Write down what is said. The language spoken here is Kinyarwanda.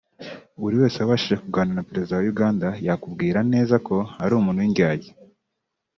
Buri wese wabashije kuganira na perezida wa Uganda yakubwira neza ko ari umuntu w’indyarya